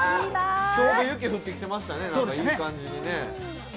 ちょうど雪降ってきてましたね、いい感じにね。